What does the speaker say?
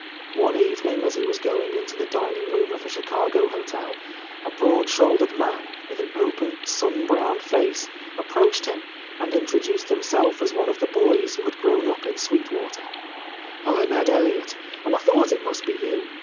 One evening as he was going into the dining room of a Chicago hotel, a broad shouldered man with an open, sunbrowned face, approached him and introduced himself as one of the boys who had grown up in Sweet Water, "I'm Ed Elliott, and I thought it must be you.